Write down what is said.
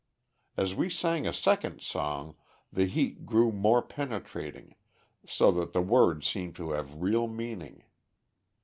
As we sang a second song the heat grew more penetrating, so that the words seemed to have real meaning.